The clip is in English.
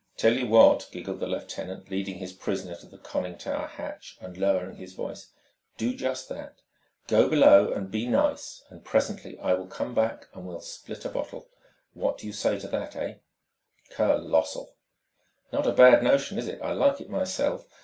"Tell you what," giggled the lieutenant, leading his prisoner to the conning tower hatch and lowering his voice: "do just that, go below and be nice, and presently I will come back and we'll split a bottle. What do you say to that, eh?" "Colossal!" "Not a bad notion, is it? I like it myself.